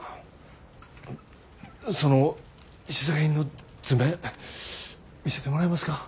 その試作品の図面見せてもらえますか？